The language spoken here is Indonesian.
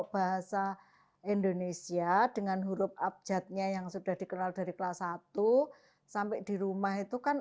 orang tua indonesia dengan huruf abjatnya yang sudah dikenal dari kelas satu sd sampai di rumah itu kan